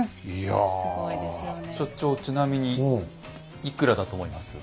所長ちなみにいくらだと思います？